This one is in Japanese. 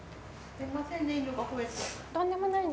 すみません。